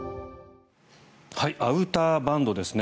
アウターバンドですね。